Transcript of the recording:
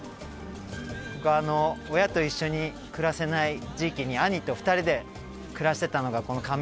僕親と一緒に暮らせない時期に兄と２人で暮らしてたのがこの亀有で。